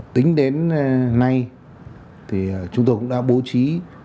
tính đến nay chúng tôi cũng đã bố trí